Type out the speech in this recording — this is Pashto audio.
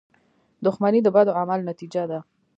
• دښمني د بدو اعمالو نتیجه ده.